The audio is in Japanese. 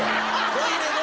トイレの。